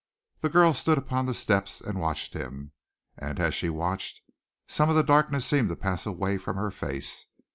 The girl stood upon the steps and watched him, and as she watched, some of the darkness seemed to pass away from her face.